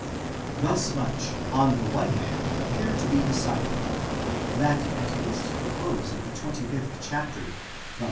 Thus much on the one hand appeared to be decided: that at least the close of the 25th chapter, from v.